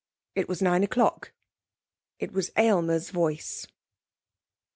It was nine o'clock. It was Aylmer's voice.